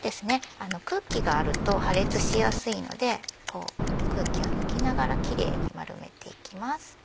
空気があると破裂しやすいので空気を抜きながらキレイに丸めていきます。